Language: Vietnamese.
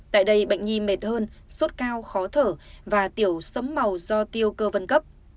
tại đây bệnh nhi mệt hơn suốt cao khó thở và tiểu sấm màu do tiêu